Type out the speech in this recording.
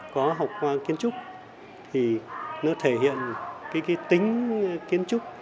có học kiến trúc thì nó thể hiện cái tính kiến trúc